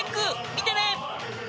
見てね］